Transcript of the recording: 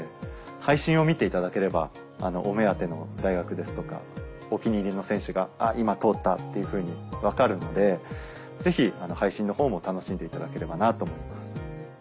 配信を見ていただければお目当ての大学ですとかお気に入りの選手が「あっ今通った」っていうふうに分かるのでぜひ配信のほうも楽しんでいただければなと思います。